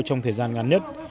trong thời gian ngắn nhất